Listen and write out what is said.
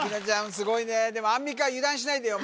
すごいねでもアンミカ油断しないでよ